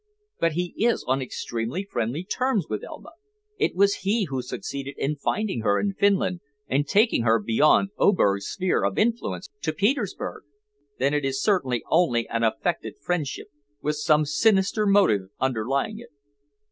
"But he is on extremely friendly terms with Elma. It was he who succeeded in finding her in Finland, and taking her beyond Oberg's sphere of influence to Petersburg." "Then it is certainly only an affected friendship, with some sinister motive underlying it."